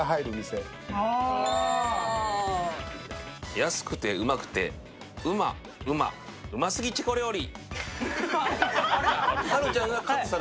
安くてウマくてうま、うまうますぎチェコ料理。